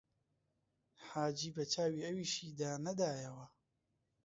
حاجی بە چاوی ئەویشیدا نەدایەوە